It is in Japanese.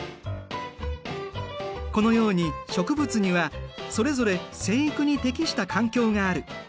このように植物にはそれぞれ生育に適した環境がある。